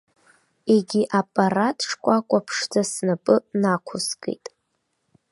Егьи аппарат шкәакәа ԥшӡа снапы нақәыскит.